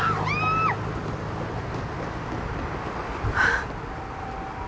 あっ